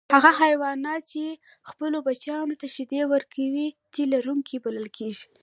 هغه حیوانات چې خپلو بچیانو ته شیدې ورکوي تی لرونکي بلل کیږي